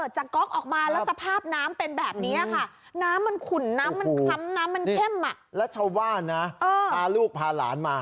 ชาวบ้านในหมู่บ้านเขาบอกว่าโอ้โห